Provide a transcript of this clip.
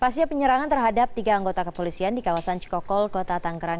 pasca penyerangan terhadap tiga anggota kepolisian di kawasan cikokol kota tanggerang